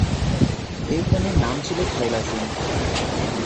এই প্রাণীর নাম ছিল থাইলাসিন।